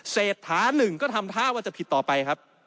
เศรษฐานึงก็ทำท่าว่าจะผิดต่อไปครับ